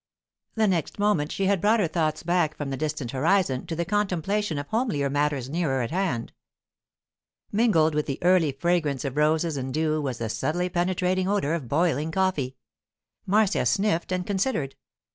The next moment she had brought her thoughts back from the distant horizon to the contemplation of homelier matters nearer at hand. Mingled with the early fragrance of roses and dew was the subtly penetrating odour of boiling coffee. Marcia sniffed and considered.